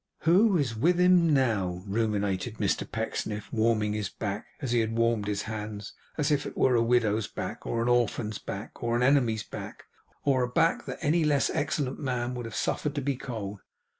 'Who is with him now,' ruminated Mr Pecksniff, warming his back (as he had warmed his hands) as if it were a widow's back, or an orphan's back, or an enemy's back, or a back that any less excellent man would have suffered to be cold.